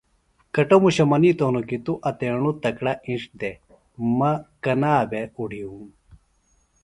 کٹموشہ منِیتوۡ ہنوۡ کیۡ ”توۡ اتیڻوۡ تکڑہ اِنڇہ دی مہ کنا بھےۡ اُڈِھیوم“